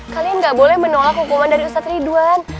kalian nggak boleh menolak hukuman dari ustadz ridwan